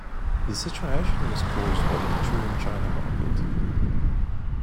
The situation was caused by the maturing China market.